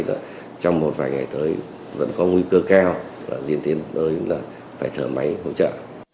nên trong một vài ngày tới vẫn có nguy cơ cao và diễn tiến đối với phải thở máy hỗ trợ